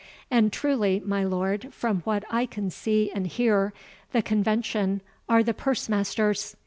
And truly, my lord, from what I can see and hear, the Convention are the purse masters.